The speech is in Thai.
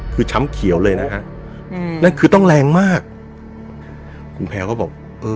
คือช้ำเขียวเลยนะฮะอืมนั่นคือต้องแรงมากคุณแพลวก็บอกเออ